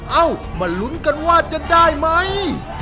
เอามาลุ้นกันว่าจะได้ไหม